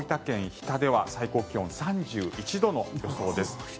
日田では最高気温が３１度の予想です。